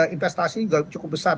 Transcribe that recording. investasi juga cukup besar